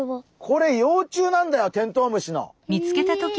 これ幼虫なんだよテントウムシの。え！